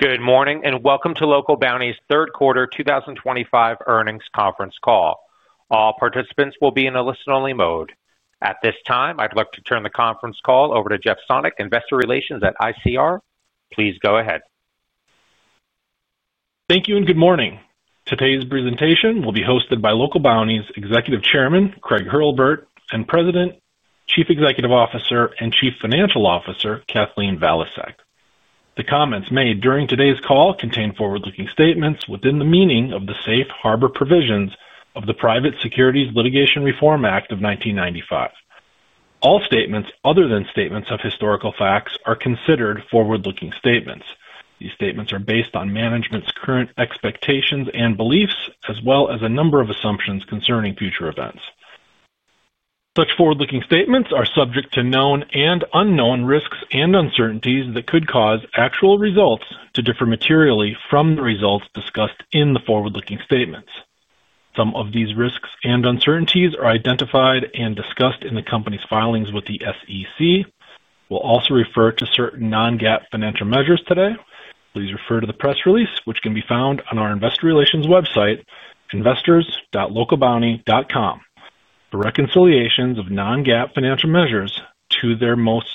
Good morning and welcome to Local Bounti's Third Quarter 2025 Earnings Conference Call. All participants will be in a listen-only mode. At this time, I'd like to turn the conference call over to Jeff Sonnek, Investor Relations at ICR. Please go ahead. Thank you and good morning. Today's presentation will be hosted by Local Bounti's Executive Chairman, Craig Hurlbert, and President, Chief Executive Officer, and Chief Financial Officer, Kathleen Valiasek. The comments made during today's call contain forward-looking statements within the meaning of the safe harbor provisions of the Private Securities Litigation Reform Act of 1995. All statements other than statements of historical facts are considered forward-looking statements. These statements are based on management's current expectations and beliefs, as well as a number of assumptions concerning future events. Such forward-looking statements are subject to known and unknown risks and uncertainties that could cause actual results to differ materially from the results discussed in the forward-looking statements. Some of these risks and uncertainties are identified and discussed in the company's filings with the SEC. We'll also refer to certain non-GAAP financial measures today. Please refer to the press release, which can be found on our Investor Relations website, investors.localbounti.com, for reconciliations of non-GAAP financial measures to their most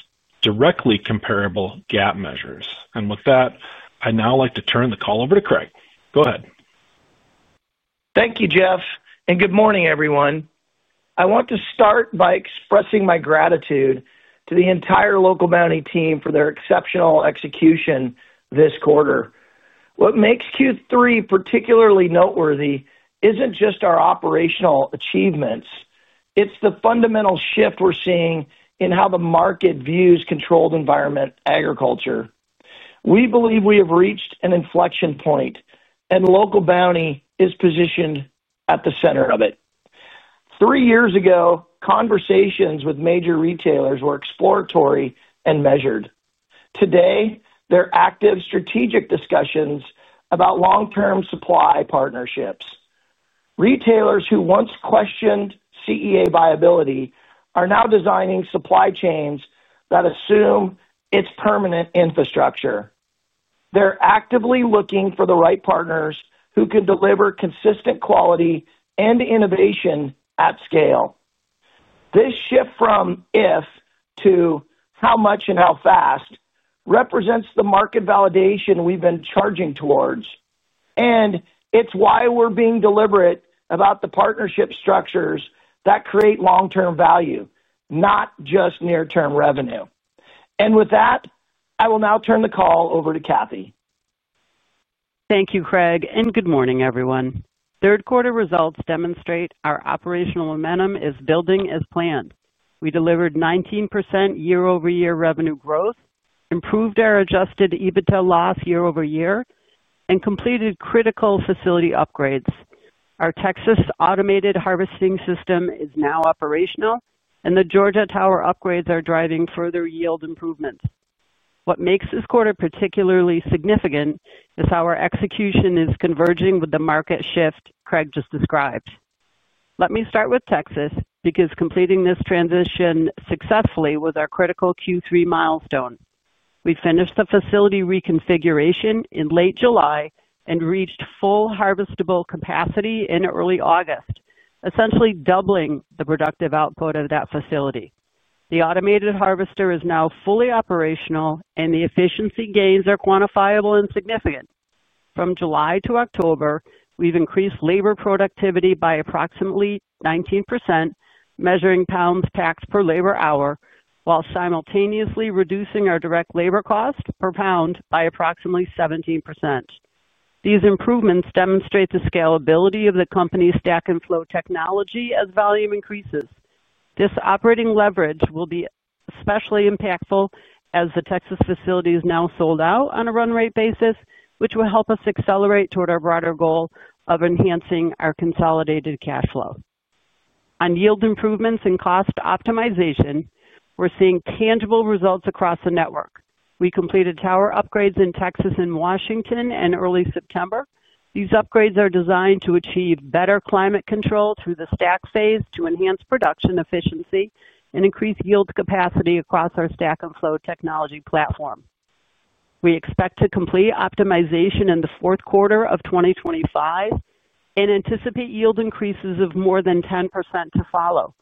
directly comparable GAAP measures. With that, I'd now like to turn the call over to Craig. Go ahead. Thank you, Jeff, and good morning, everyone. I want to start by expressing my gratitude to the entire Local Bounti team for their exceptional execution this quarter. What makes Q3 particularly noteworthy is not just our operational achievements; it is the fundamental shift we are seeing in how the market views controlled environment agriculture. We believe we have reached an inflection point, and Local Bounti is positioned at the center of it. Three years ago, conversations with major retailers were exploratory and measured. Today, they are active strategic discussions about long-term supply partnerships. Retailers who once questioned CEA viability are now designing supply chains that assume it is permanent infrastructure. They are actively looking for the right partners who can deliver consistent quality and innovation at scale. This shift from "if" to "how much and how fast" represents the market validation we've been charging towards, and it's why we're being deliberate about the partnership structures that create long-term value, not just near-term revenue. With that, I will now turn the call over to Kathy. Thank you, Craig, and good morning, everyone. Third quarter results demonstrate our operational momentum is building as planned. We delivered 19% year-over-year revenue growth, improved our adjusted EBITDA loss year-over-year, and completed critical facility upgrades. Our Texas automated harvesting system is now operational, and the Georgia tower upgrades are driving further yield improvements. What makes this quarter particularly significant is how our execution is converging with the market shift Craig just described. Let me start with Texas because completing this transition successfully was our critical Q3 milestone. We finished the facility reconfiguration in late July and reached full harvestable capacity in early August, essentially doubling the productive output of that facility. The automated harvester is now fully operational, and the efficiency gains are quantifiable and significant. From July to October, we've increased labor productivity by approximately 19%, measuring pounds packed per labor hour, while simultaneously reducing our direct labor cost per pound by approximately 17%. These improvements demonstrate the scalability of the company's Stack & Flow Technology as volume increases. This operating leverage will be especially impactful as the Texas facility is now sold out on a run rate basis, which will help us accelerate toward our broader goal of enhancing our consolidated cash flow. On yield improvements and cost optimization, we're seeing tangible results across the network. We completed tower upgrades in Texas and Washington in early September. These upgrades are designed to achieve better climate control through the stack phase to enhance production efficiency and increase yield capacity across our Stack & Flow Technology platform. We expect to complete optimization in the fourth quarter of 2025 and anticipate yield increases of more than 10% to follow.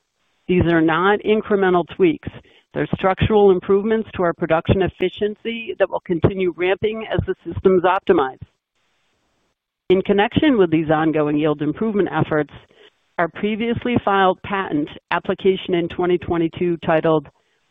These are not incremental tweaks. They're structural improvements to our production efficiency that will continue ramping as the system is optimized. In connection with these ongoing yield improvement efforts, our previously filed patent application in 2022 titled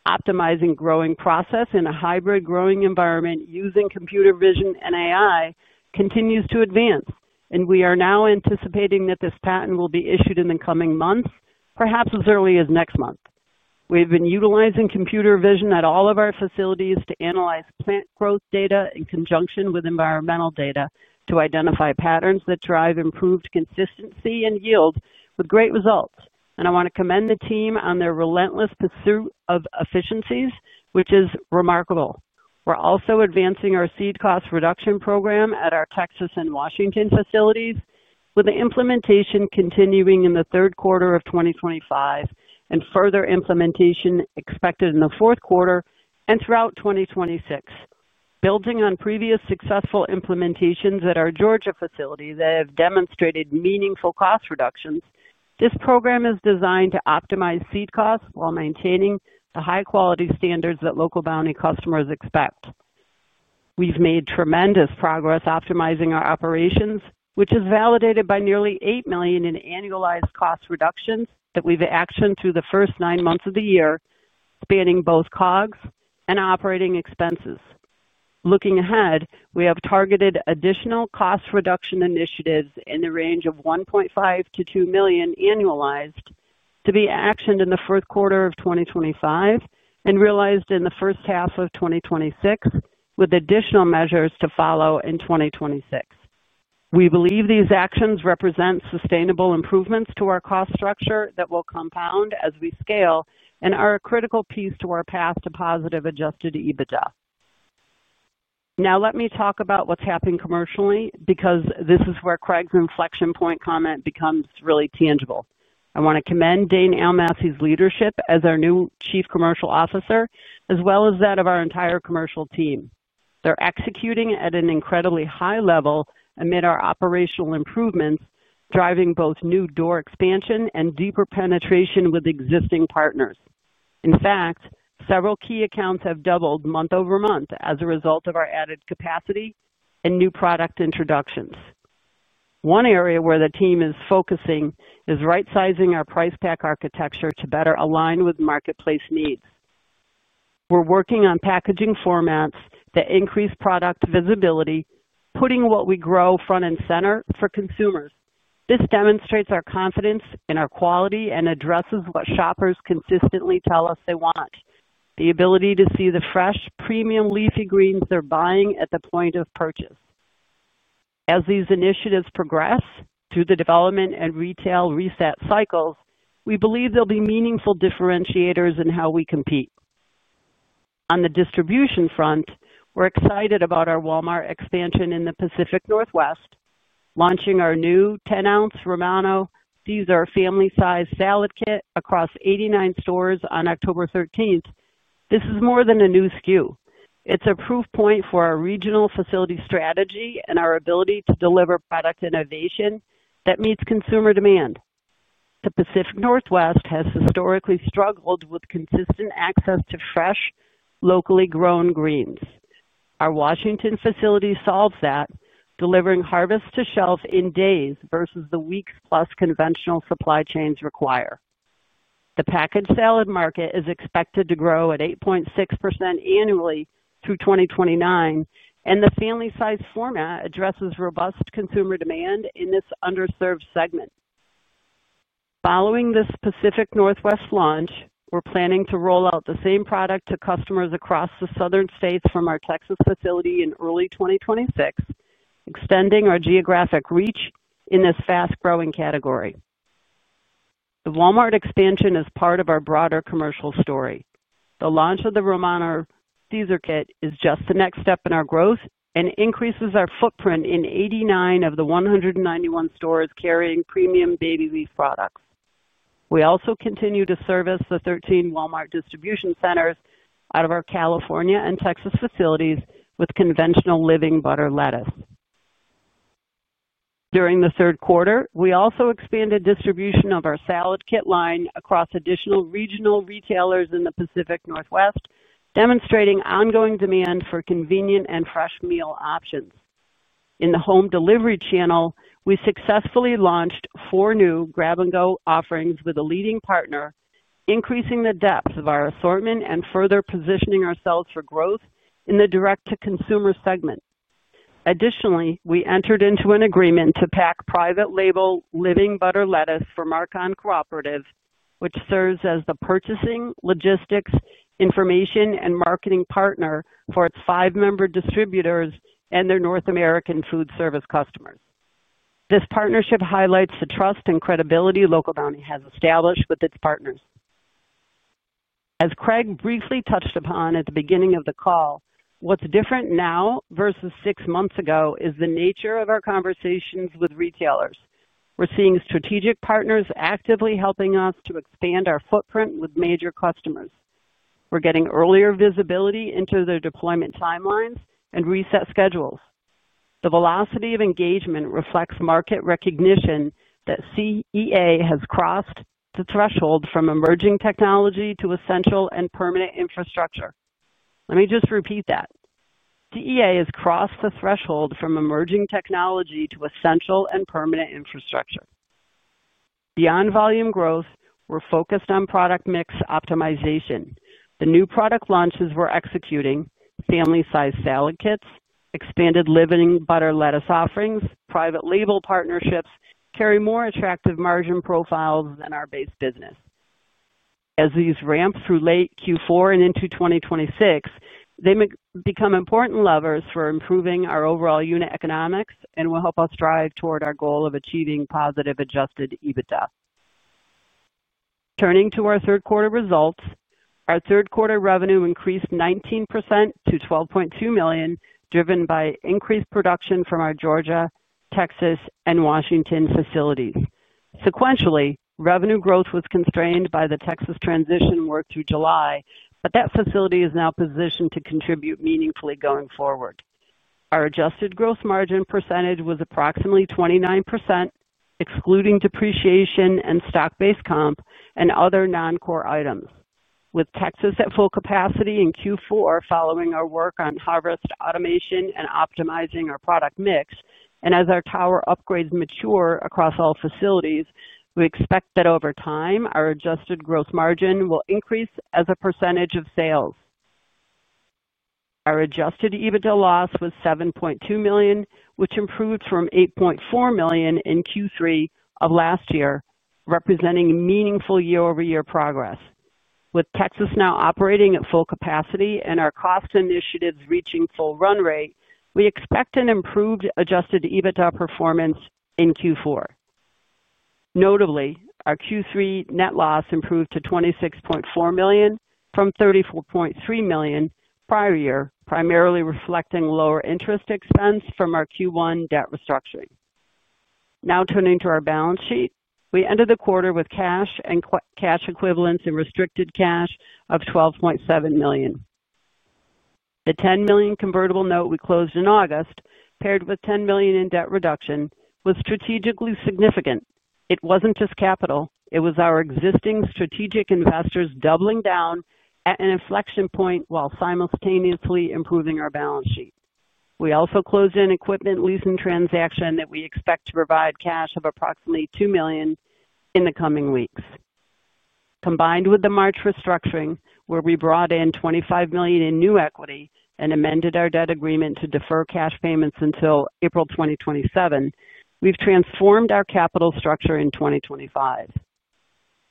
"Optimizing Growing Process in a Hybrid Growing Environment Using Computer Vision and AI" continues to advance, and we are now anticipating that this patent will be issued in the coming months, perhaps as early as next month. We've been utilizing computer vision at all of our facilities to analyze plant growth data in conjunction with environmental data to identify patterns that drive improved consistency and yield with great results. I want to commend the team on their relentless pursuit of efficiencies, which is remarkable. We're also advancing our seed cost reduction program at our Texas and Washington facilities, with the implementation continuing in the third quarter of 2025 and further implementation expected in the fourth quarter and throughout 2026. Building on previous successful implementations at our Georgia facility that have demonstrated meaningful cost reductions, this program is designed to optimize seed costs while maintaining the high-quality standards that Local Bounti customers expect. We've made tremendous progress optimizing our operations, which is validated by nearly $8 million in annualized cost reductions that we've actioned through the first nine months of the year, spanning both COGS and operating expenses. Looking ahead, we have targeted additional cost reduction initiatives in the range of $1.5 million-$2 million annualized to be actioned in the fourth quarter of 2025 and realized in the first half of 2026, with additional measures to follow in 2026. We believe these actions represent sustainable improvements to our cost structure that will compound as we scale and are a critical piece to our path to positive adjusted EBITDA. Now, let me talk about what's happening commercially because this is where Craig's inflection point comment becomes really tangible. I want to commend Dane Almassy leadership as our new Chief Commercial Officer, as well as that of our entire commercial team. They're executing at an incredibly high level amid our operational improvements, driving both new door expansion and deeper penetration with existing partners. In fact, several key accounts have doubled month-over-month as a result of our added capacity and new product introductions. One area where the team is focusing is right-sizing our price pack architecture to better align with marketplace needs. We're working on packaging formats that increase product visibility, putting what we grow front and center for consumers. This demonstrates our confidence in our quality and addresses what shoppers consistently tell us they want: the ability to see the fresh, premium leafy greens they're buying at the point of purchase. As these initiatives progress through the development and retail reset cycles, we believe they'll be meaningful differentiators in how we compete. On the distribution front, we're excited about our Walmart expansion in the Pacific Northwest, launching our new 10-ounce Romano Caesar. These are family-sized salad kits across 89 stores on October 13th. This is more than a new SKU. It's a proof point for our regional facility strategy and our ability to deliver product innovation that meets consumer demand. The Pacific Northwest has historically struggled with consistent access to fresh, locally grown greens. Our Washington facility solves that, delivering harvest to shelf in days versus the weeks plus conventional supply chains require. The packaged salad market is expected to grow at 8.6% annually through 2029, and the family-sized format addresses robust consumer demand in this underserved segment. Following this Pacific Northwest launch, we're planning to roll out the same product to customers across the southern states from our Texas facility in early 2026, extending our geographic reach in this fast-growing category. The Walmart expansion is part of our broader commercial story. The launch of the Romano Caesar Kit is just the next step in our growth and increases our footprint in 89 of the 191 stores carrying premium baby leaf products. We also continue to service the 13 Walmart distribution centers out of our California and Texas facilities with Conventional Living Butter Lettuce. During the third quarter, we also expanded distribution of our salad kit line across additional regional retailers in the Pacific Northwest, demonstrating ongoing demand for convenient and fresh meal options. In the home delivery channel, we successfully launched four new Grab-and-Go offerings with a leading partner, increasing the depth of our assortment and further positioning ourselves for growth in the direct-to-consumer segment. Additionally, we entered into an agreement to pack private label, Living Butter Lettuce for Markon Cooperative, which serves as the purchasing, logistics, information, and marketing partner for its five member distributors and their North American food service customers. This partnership highlights the trust and credibility Local Bounti has established with its partners. As Craig briefly touched upon at the beginning of the call, what's different now versus six months ago is the nature of our conversations with retailers. We're seeing strategic partners actively helping us to expand our footprint with major customers. We're getting earlier visibility into their deployment timelines and reset schedules. The velocity of engagement reflects market recognition that CEA has crossed the threshold from emerging technology to essential and permanent infrastructure. Let me just repeat that. CEA has crossed the threshold from emerging technology to essential and permanent infrastructure. Beyond volume growth, we're focused on product mix optimization. The new product launches we're executing, family-sized salad kits, expanded Living Butter Lettuce offerings, private label partnerships, carry more attractive margin profiles than our base business. As these ramp through late Q4 and into 2026, they become important levers for improving our overall unit economics and will help us drive toward our goal of achieving positive adjusted EBITDA. Turning to our third quarter results, our third quarter revenue increased 19% to $12.2 million, driven by increased production from our Georgia, Texas, and Washington facilities. Sequentially, revenue growth was constrained by the Texas transition work through July, but that facility is now positioned to contribute meaningfully going forward. Our adjusted gross margin percentage was approximately 29%, excluding depreciation and stock-based comp and other non-core items. With Texas at full capacity in Q4, following our work on harvest automation and optimizing our product mix, and as our tower upgrades mature across all facilities, we expect that over time our adjusted gross margin will increase as a percentage of sales. Our adjusted EBITDA loss was $7.2 million, which improved from $8.4 million in Q3 of last year, representing meaningful year-over-year progress. With Texas now operating at full capacity and our cost initiatives reaching full run rate, we expect an improved adjusted EBITDA performance in Q4. Notably, our Q3 net loss improved to $26.4 million from $34.3 million prior year, primarily reflecting lower interest expense from our Q1 debt restructuring. Now turning to our balance sheet, we ended the quarter with cash and cash equivalents and restricted cash of $12.7 million. The $10 million convertible note we closed in August, paired with $10 million in debt reduction, was strategically significant. It was not just capital; it was our existing strategic investors doubling down at an inflection point while simultaneously improving our balance sheet. We also closed an equipment lease and transaction that we expect to provide cash of approximately $2 million in the coming weeks. Combined with the March restructuring, where we brought in $25 million in new equity and amended our debt agreement to defer cash payments until April 2027, we've transformed our capital structure in 2025.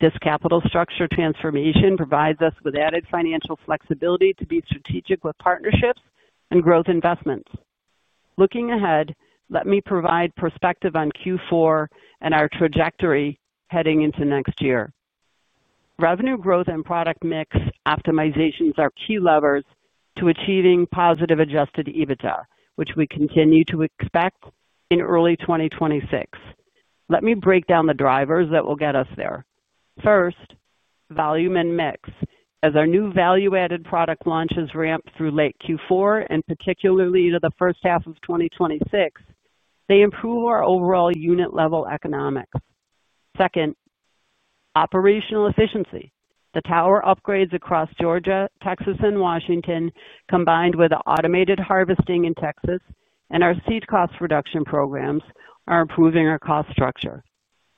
This capital structure transformation provides us with added financial flexibility to be strategic with partnerships and growth investments. Looking ahead, let me provide perspective on Q4 and our trajectory heading into next year. Revenue growth and product mix optimizations are key levers to achieving positive adjusted EBITDA, which we continue to expect in early 2026. Let me break down the drivers that will get us there. First, volume and mix. As our new value-added product launches ramp through late Q4, and particularly into the first half of 2026, they improve our overall unit-level economics. Second, operational efficiency. The tower upgrades across Georgia, Texas, and Washington, combined with automated harvesting in Texas and our seed cost reduction programs, are improving our cost structure.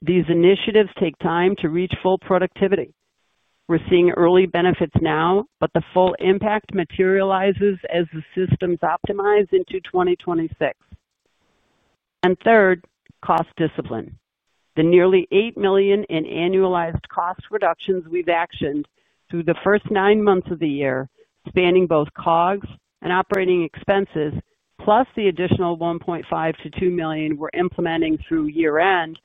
These initiatives take time to reach full productivity. We're seeing early benefits now, but the full impact materializes as the system's optimized into 2026. Third, cost discipline. The nearly $8 million in annualized cost reductions we've actioned through the first nine months of the year, spanning both COGS and operating expenses, plus the additional $1.5 million-$2 million we're implementing through year-end,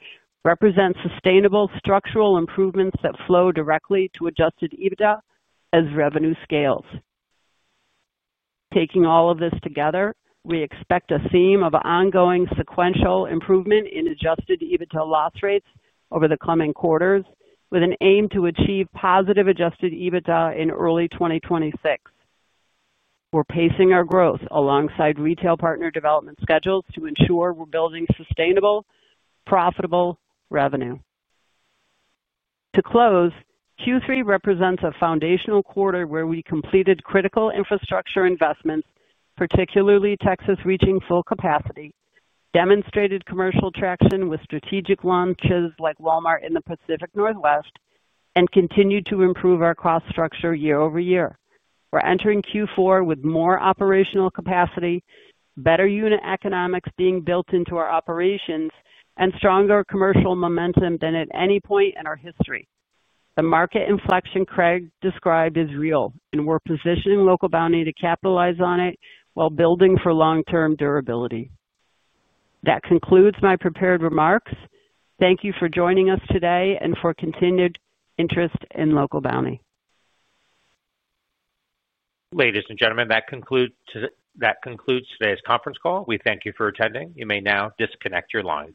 represent sustainable structural improvements that flow directly to adjusted EBITDA as revenue scales. Taking all of this together, we expect a theme of ongoing sequential improvement in adjusted EBITDA loss rates over the coming quarters, with an aim to achieve positive adjusted EBITDA in early 2026. We're pacing our growth alongside retail partner development schedules to ensure we're building sustainable, profitable revenue. To close, Q3 represents a foundational quarter where we completed critical infrastructure investments, particularly Texas reaching full capacity, demonstrated commercial traction with strategic launches like Walmart in the Pacific Northwest, and continued to improve our cost structure year-over-year. We're entering Q4 with more operational capacity, better unit economics being built into our operations, and stronger commercial momentum than at any point in our history. The market inflection Craig described is real, and we're positioning Local Bounti to capitalize on it while building for long-term durability. That concludes my prepared remarks. Thank you for joining us today and for continued interest in Local Bounti. Ladies and gentlemen, that concludes today's conference call. We thank you for attending. You may now disconnect your lines.